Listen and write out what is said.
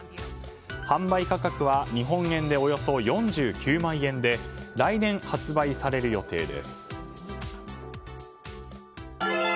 販売価格は日本円でおよそ４９万円で来年発売される予定です。